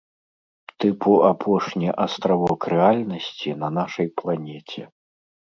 Тыпу апошні астравок рэальнасці на нашай планеце.